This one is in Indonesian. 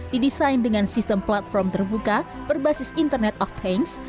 didesain dengan sistem platform terbuka berbasis internet of thanks